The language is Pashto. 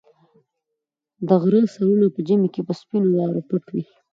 د غره سرونه په ژمي کې په سپینو واورو پټ وي.